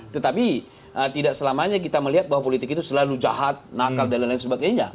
tetapi tidak selamanya kita melihat bahwa politik itu selalu jahat nakal dan lain lain sebagainya